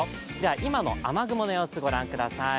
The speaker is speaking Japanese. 今の雨雲の様子、ご覧ください。